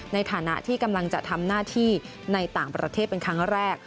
ในฐานะที่กำลังจะทำหน้าที่ในต่างประเทศเป็นครั้งแรก